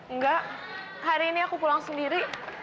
enggak hari ini aku pulang sendiri